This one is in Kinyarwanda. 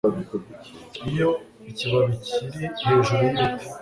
Iyo ikibabi kiri hejuru yibiti